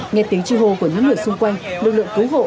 nghe tiếng chi hô của những người xung quanh lực lượng cứu hộ